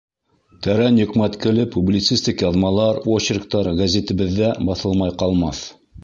Тәрән йөкмәткеле публицистик яҙмалар, очерктар гәзитебеҙҙә баҫылмай ҡалмаҫ.